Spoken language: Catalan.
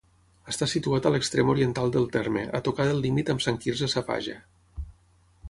Està situat a l'extrem oriental del terme, a tocar del límit amb Sant Quirze Safaja.